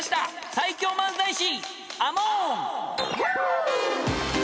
最強漫才師。